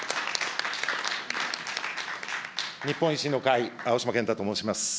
日本維新の会、青島健太と申します。